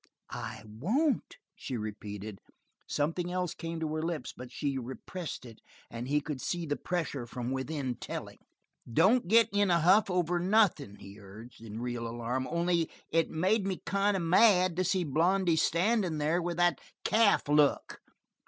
"I won't!" she repeated. Something else came to her lips, but she repressed it, and he could see the pressure from within telling. "Don't get in a huff over nothing," he urged, in real alarm. "Only, it made me kind of mad to see Blondy standing there with that calf look."